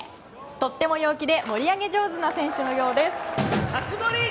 とっても陽気で盛り上げ上手な選手のようです。